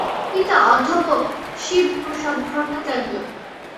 পিতা অধ্যাপক শিবপ্রসাদ ভট্টাচার্য।